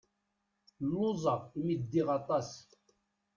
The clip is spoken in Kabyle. Luẓeɣ imi ddiɣ aṭas.